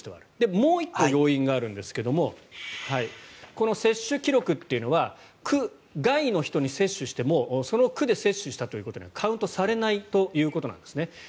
もう１個要因があるんですがこの接種記録というのは区外の人に接種してもその区で接種したということにはカウントされないということです。